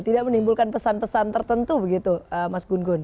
tidak menimbulkan pesan pesan tertentu begitu mas gun gun